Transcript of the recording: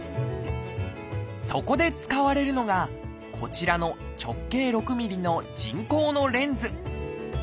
そこで使われるのがこちらの直径６ｍｍの人工のレンズ。